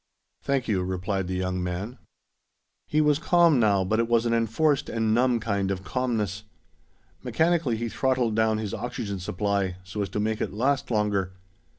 "Thank you," replied the young man. He was calm now, but it was an enforced and numb kind of calmness. Mechanically he throttled down his oxygen supply, so as to make it last longer.